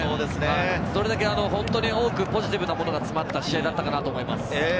それだけ本当に多くポジティブなものが多く詰まった試合だったと思います。